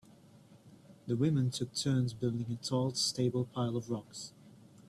The women took turns building a tall stable pile of rocks.